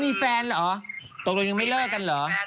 มีแฟนเหรอตกลงยังไม่เลิกกันเหรอ